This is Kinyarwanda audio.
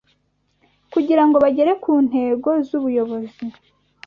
kugirango bagere ku ntego zubuyobozi